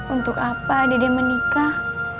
untuk apa adik adik menikah